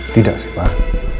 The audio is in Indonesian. tidak sih pak